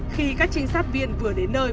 khi các trinh sát viên vừa đến nơi